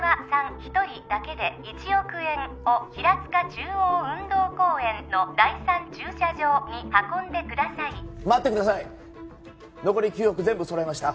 一人だけで１億円を平塚中央運動公園の第３駐車場に運んでください待ってください残り９億全部揃えました